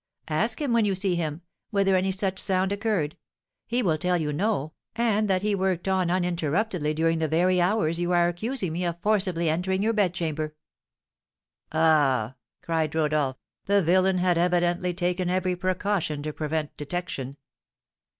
Ask him, when you see him, whether any such sound occurred; he will tell you no, and that he worked on uninterruptedly during the very hours you are accusing me of forcibly entering your bedchamber.'" "Ah!" cried Rodolph, "the villain had evidently taken every precaution to prevent detection."